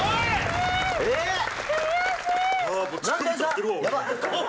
悔しい！